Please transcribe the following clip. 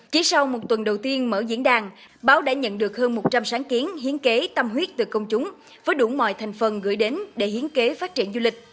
chỉ sau một tuần đầu tiên mở diễn đàn báo đã nhận được hơn một trăm linh sáng kiến hiến kế tâm huyết từ công chúng với đủ mọi thành phần gửi đến để hiến kế phát triển du lịch